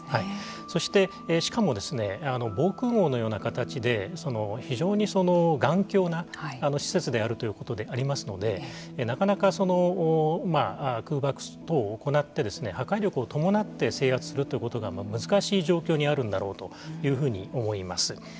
そして、しかも防空ごうのような形で非常に頑強な施設であるということでありますのでなかなか空爆等を行って破壊力を伴って制圧するということが難しい状況にあるんだろうというふうに思います。